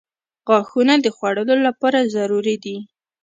• غاښونه د خوړلو لپاره ضروري دي.